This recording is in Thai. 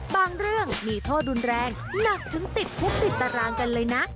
เรื่องมีโทษรุนแรงหนักถึงติดคุกติดตารางกันเลยนะ